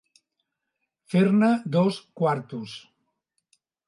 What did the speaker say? Fer-ne dos quartos.